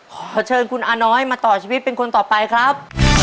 ขอเชิญคุณอาน้อยมาต่อชีวิตเป็นคนต่อไปครับ